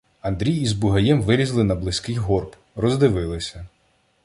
Андрій із Бугаєм вилізли на близький горб, роздивилися.